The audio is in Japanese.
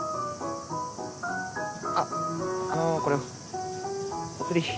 あっあのこれお釣り。